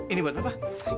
ini buat apa